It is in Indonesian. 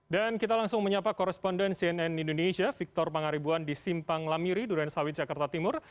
dan kita langsung menyapa koresponden cnn indonesia victor pangaribuan di simpang lampiri duriansawi jakarta timur